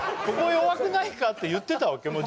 ここ弱くないかって言ってたわけ？